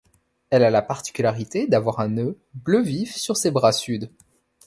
Elle a la particularité d'avoir un nœud bleu vif sur ses bras sud.